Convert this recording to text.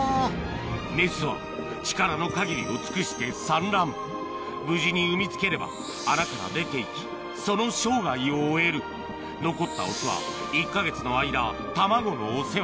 メスは力の限りを尽くして産卵無事に産みつければ穴から出ていきその生涯を終える残ったオスは１か月の間卵のお世話